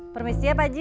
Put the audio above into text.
permisi ya pak ji